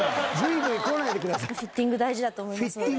フィッティング大事だと思いますので。